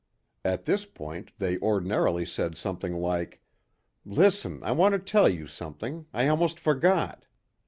At this point they ordinarily said something like, "Listen, I want to tell you something. I almost forgot."